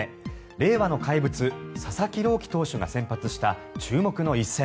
令和の怪物佐々木朗希投手が先発した注目の一戦。